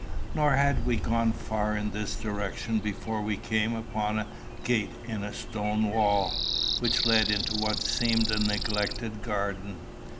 Nor had we gone far in this direction before we came upon a gate in a stone wall, which led into what seemed a neglected garden.